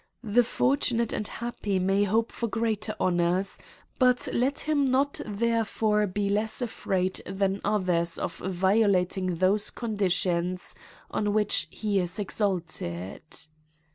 The fortunate and happy may hope for greater honours, but let him not therefore be less afraid than others of violating those conditions on which he is exalte ed.